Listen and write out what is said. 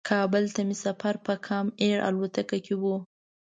کابل ته مې سفر په کام ایر الوتکه کې و.